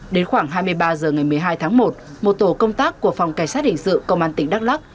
đến khoảng hai mươi ba h ngày một mươi hai tháng một một tổ công tác của phòng cảnh sát hình sự công an tỉnh đắk lắc